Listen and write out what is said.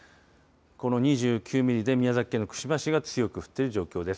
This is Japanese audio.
この２９ミリで宮崎県の串間市が強く降っている状況です。